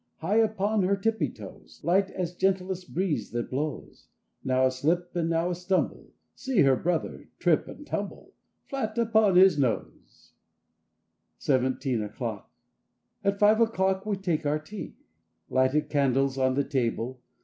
High upon her tippy toes, Light as gentlest breeze that blows. Now a slip and now a stumble— See her brother trip and tumble Elat upon his nose! 41 SIXTEEN O'CLOCK 43 SEVENTEEN O'CLOCK 4T five o'clock we take our tea; xX Lighted candles on the table.